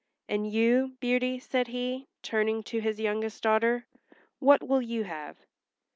"And you, Beauty," said he, turning to his youngest daughter, "what will you have?"